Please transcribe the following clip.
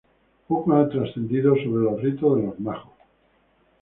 Poco ha trascendido sobre los ritos de los majos.